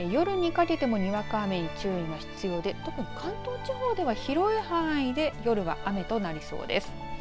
夜にかけてもにわか雨に注意が必要で特に関東地方では広い範囲で夜は雨となりそうです。